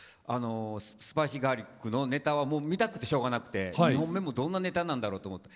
スパイシーガーリックのネタは見たくてしょうがなくて、２本目もどんなネタになるかって思って。